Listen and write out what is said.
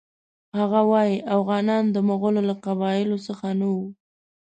هغه وایي اوغانیان د مغولو له قبایلو څخه نه وو.